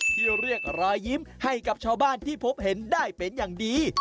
ที่เรียกรอยยิ้มให้กับชาวบ้านที่พบเห็นได้เป็นอย่างดี